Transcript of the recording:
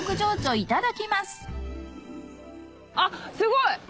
あっすごい！